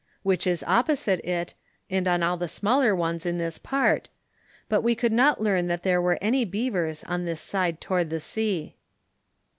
which is opposite it, and on all the smaller ones in this part ; but we could not learn that there were any beavers on this side toward the sea.